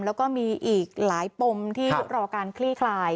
แล้วก็มีอีกหลายปมที่รอการคลี่คลาย